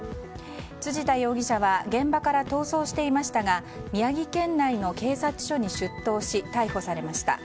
辻田容疑者は現場から逃走していましたが宮城県内の警察署に出頭し逮捕されました。